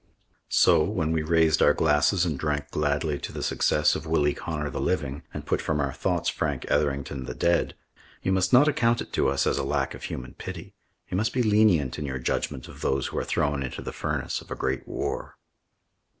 So, when we raised our glasses and drank gladly to the success of Willie Connor the living, and put from our thoughts Frank Etherington the dead, you must not account it to us as lack of human pity. You must be lenient in your judgment of those who are thrown into the furnace of a great war.